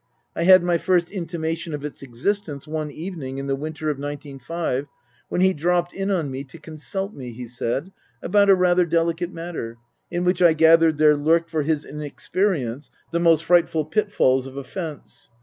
I had my first intimation of its existence one evening in the winter of nineteen five, when he dropped in on me to consult me, he said, about a rather delicate matter, in which I gathered there lurked for his inexperience the most frightful pitfalls of offence.